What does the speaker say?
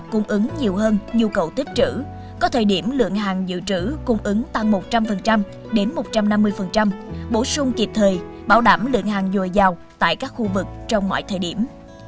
có thời điểm lượng hàng dự trữ cung ứng tăng một trăm linh đến một trăm năm mươi bổ sung kịp thời bảo đảm lượng hàng dùa giàu tại các khu vực trong mọi thời điểm